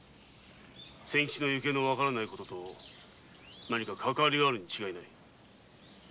仙吉の行方が分からない事と何かかかわりがあるに違いないな。